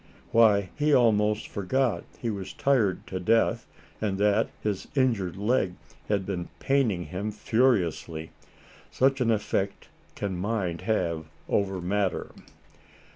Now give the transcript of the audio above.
Why, he almost forgot he was tired to death, and that his injured leg had been paining him furiously. Such an affect can mind have over matter.